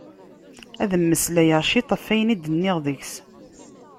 Ad mmeslayeɣ cit ɣef wayen i d-nniɣ deg-s.